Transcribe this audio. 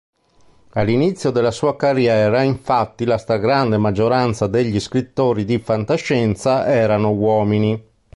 All'inizio della sua carriera infatti la stragrande maggioranza degli scrittori di fantascienza erano uomini.